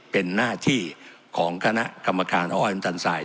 เป็นหน้าที่ของคณะกรรมการอ้อยอันตันไซด